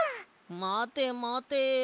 まてまて。